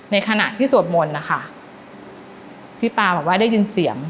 ในขณะที่สวดมนต์นะคะพี่ปาบอกว่าได้ยินเสียง